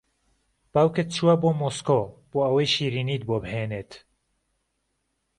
باوکت چووە بۆ مۆسکۆ بۆ ئەوەی شیرینیت بۆ بھێنێت